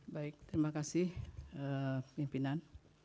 baik terima kasih pimpinan